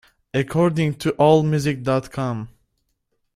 According to Allmusic dot com.